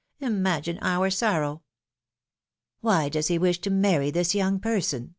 Imagine our sorroAA^ !"<< Why does he wish to marry this young person ?"